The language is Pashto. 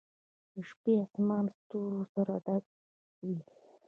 د شپې آسمان ستورو سره ډک و.